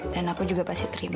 aku juga pasti terima